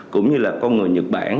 cũng như là con người nhật bản